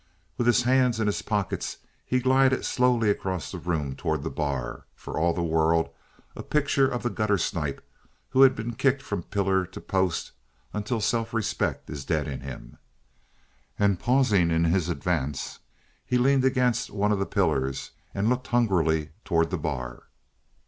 With his hands in his pockets he glided slowly across the room toward the bar, for all the world a picture of the guttersnipe who had been kicked from pillar to post until self respect is dead in him. And pausing in his advance, he leaned against one of the pillars and looked hungrily toward the bar.